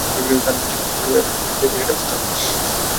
তার নিজেকেই সেটা বুঝতে হবে।